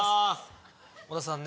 小田さん